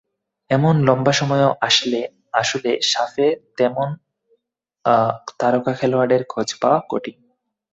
এমন লম্বা সময়েও আসলে সাফে তেমন তারকা খেলোয়াড়ের খোঁজ পাওয়া কঠিন।